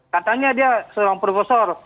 katanya dia seorang profesor